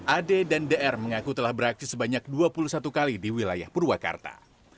ad dan dr mengaku telah beraksi sebanyak dua puluh satu kali di wilayah purwakarta